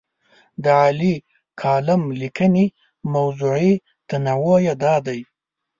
د عالي کالم لیکنې موضوعي تنوع یې دا دی.